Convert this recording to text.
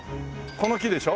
この木でしょ？